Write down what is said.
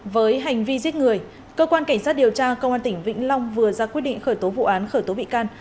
với hành vi giết người cơ quan cảnh sát điều tra công an tỉnh vĩnh long vừa ra quyết định khởi tố vụ án khởi tố bị can